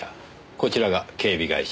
こちらが警備会社。